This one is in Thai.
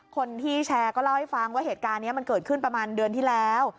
คนที่แชร์ก็เล่าให้ฟังว่าเหตุการณ์นี้มันเกิดขึ้นประมาณเดือนที่แล้ว